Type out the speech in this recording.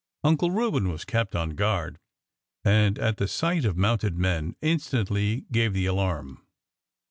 Uncle Reuben was kept on guard, and at the sight of mounted men instantly gave the alarm.